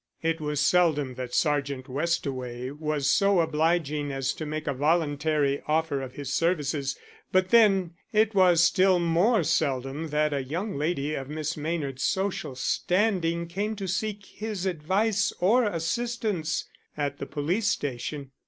It was seldom that Sergeant Westaway was so obliging as to make a voluntary offer of his services, but then it was still more seldom that a young lady of Miss Maynard's social standing came to seek his advice or assistance at the police station.